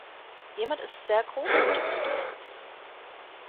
Jemand ist sehr großmütig zu dir.